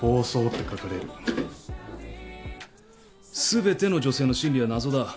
全ての女性の心理は謎だ。